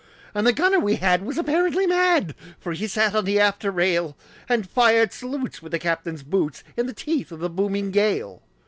And the gunner we had was apparently mad, For he sat on the after rail, And fired salutes with the captain's boots, In the teeth of the booming gale.